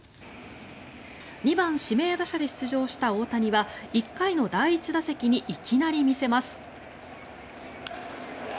２番指名打者で出場した大谷は１回の第１打席にいきなり見せます。